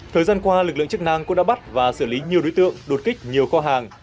thời gian qua lực lượng chức năng cũng đã bắt và xử lý nhiều đối tượng đột kích nhiều kho hàng